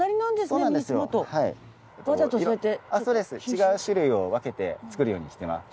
違う種類を分けて作るようにしてます。